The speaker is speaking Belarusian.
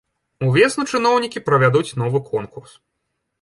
Увесну чыноўнікі правядуць новы конкурс.